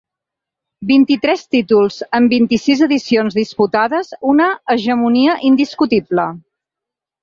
Vint-i-tres títols en vint-i-sis edicions disputades, una hegemonia indiscutible.